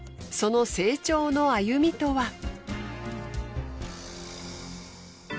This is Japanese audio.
その成長の歩みとは。